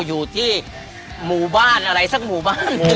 อยู่ที่หมู่บ้านอะไรสักหมู่บ้าน